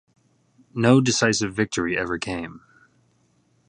No decisive victory ever came.